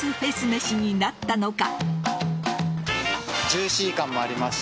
めしになったのか。